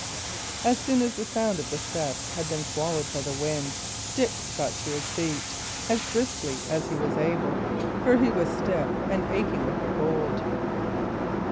As soon as the sound of their steps had been swallowed by the wind, Dick got to his feet as briskly as he was able, for he was stiff and aching with the cold.